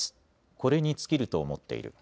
これに尽きると思っている。